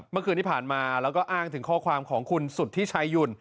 เมื่อคืนที่ผ่านมาแล้วก็อ้างถึงข้อความของคุณสุธิชัยหยุ่น